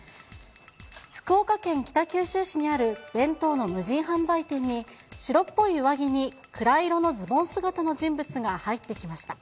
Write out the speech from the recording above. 福岡県北九州市にある弁当の無人販売店に、白っぽい上着に暗い色のズボン姿の人物が入ってきました。